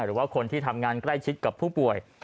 หรือว่าคนที่ทำงานใกล้ชิดกับผู้ป่วย